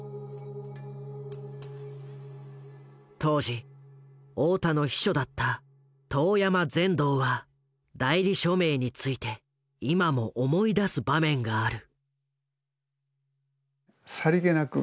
当時大田の秘書だった當山善堂は代理署名について今も思い出す場面がある。